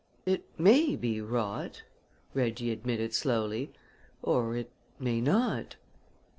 "It may be rot," Reggie admitted slowly, "or it may not.